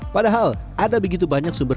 padahal ada begitu banyak sumber